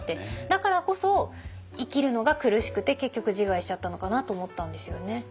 だからこそ生きるのが苦しくて結局自害しちゃったのかなと思ったんですよね。